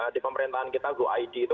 di pemerintahan kita go id itu